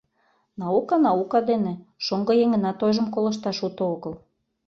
Наука — наука дене, шоҥго еҥынат ойжым колышташ уто огыл.